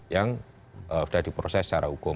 yang sudah diproses secara hukum